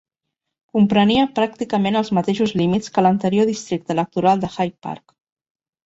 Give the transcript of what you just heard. Comprenia pràcticament els mateixos límits que l'anterior districte electoral de High Park.